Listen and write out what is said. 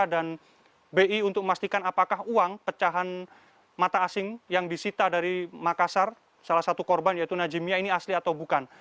dan bi untuk memastikan apakah uang pecahan mata asing yang disita dari makassar salah satu korban yaitu najimnya ini asli atau bukan